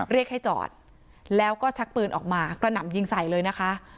เรียกให้จอดแล้วก็ชักปืนออกมากระหน่ำยิงใส่เลยนะคะ